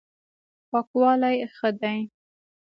پاکوالی ښه دی.